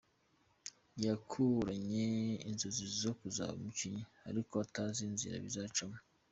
Yakuranye inzozi zo kuzaba umukinnyi ariko atazi inzira bizacamo.